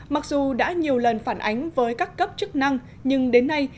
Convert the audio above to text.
mặc dù đã nhiều lần phản ánh với các cấp chức năng nhưng đến nay